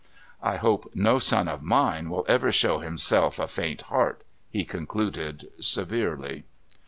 "I hope no son of mine will ever show himself a faint heart," he concluded severely.